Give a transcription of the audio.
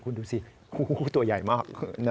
คุณดูสิคู่ตัวใหญ่มาก